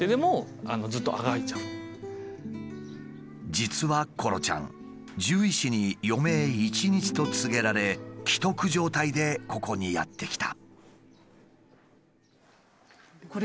実はコロちゃん獣医師に余命１日と告げられ危篤状態でここにやって来た。